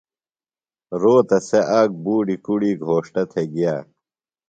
روتہ سےۡ اک بُوڈیۡ کُڑی گھوݜٹہ تھےۡ گِیہ۔